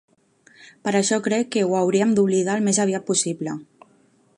Per això crec que ho hauríem d'oblidar al més aviat possible.